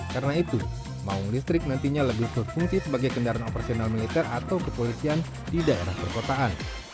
karena itu maung listrik nantinya lebih berfungsi sebagai kendaraan operasional militer atau kepolisian di daerah perkotaan